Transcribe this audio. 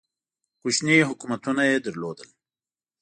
کوچني حکومتونه یې لرل